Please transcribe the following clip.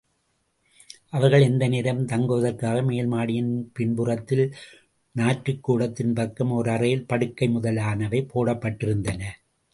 அவர்கள் எந்த நேரமும் தங்குவதற்காக மேல்மாடியின் பின்புறத்தில் நாற்றுக்கூட்டத்தின் பக்கம் ஓர் அறையில் படுக்கை முதலானவை போடப்பட்டிருந்தன.